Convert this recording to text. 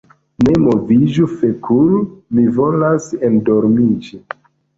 Ne moviĝu fekul' mi volas endormiĝi